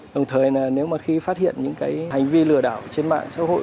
đồng thời là nếu mà khi phát hiện những cái hành vi lừa đảo trên mạng xã hội